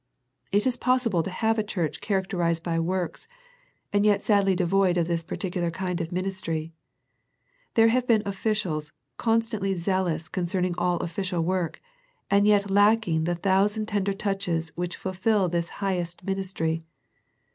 It is possible to have a church characterized by works, and yet sadly devoid of this particular kind of ministry. There have been officials constantly zealous concerning all official work, and yet lacking the thousand tender touches which .fulfil this highest min istry.